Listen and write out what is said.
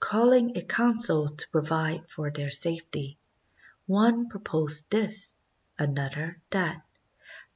Call ing a council to provide for their safety, one proposed this, another that.